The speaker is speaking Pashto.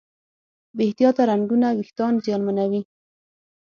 بې احتیاطه رنګونه وېښتيان زیانمنوي.